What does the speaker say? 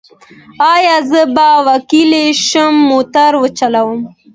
ایا زه به وکولی شم موټر وچلوم؟